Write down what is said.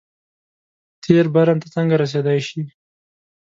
تېر برم ته څنګه رسېدای شي.